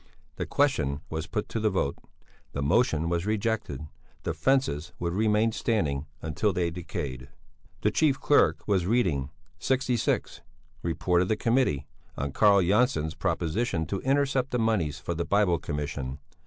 The question was put to the vote. The motion was rejected; the fences would remain standing until they decayed. The chief clerk was reading: 66. Report of the Committee on Carl Jönsson's proposition to intercept the moneys for the Bible Commission.